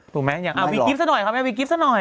ถูกไหมอยากเอาวีกิฟต์สักหน่อยครับเอาวีกิฟต์สักหน่อยไม่หรอก